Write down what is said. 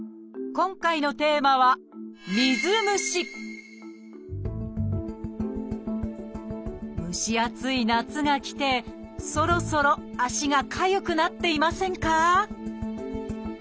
今回のテーマは蒸し暑い夏が来てそろそろ足がかゆくなっていませんか？